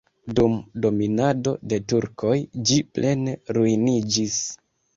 Dum dominado de turkoj ĝi plene ruiniĝis.